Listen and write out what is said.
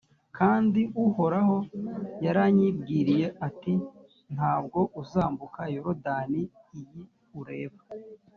kandi uhoraho yaranyibwiriye ati 'nta bwo uzambuka yorudani iyi ureba!’